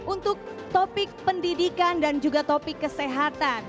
untuk topik pendidikan dan juga topik kesehatan